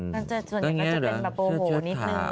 ส่วนใหญ่ก็จะเป็นแบบโบโหนิดนึงโชชาเทา